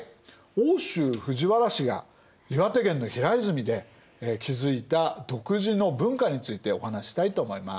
奥州藤原氏が岩手県の平泉で築いた独自の文化についてお話ししたいと思います。